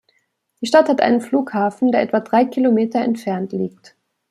Die Stadt hat einen Flughafen, der etwa drei Kilometer entfernt liegt.